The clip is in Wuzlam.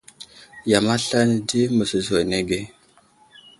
Yam aslane di məzəzo anege.